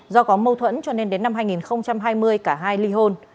do có mâu thuẫn cho nên đến năm hai nghìn hai mươi cả hai ly hôn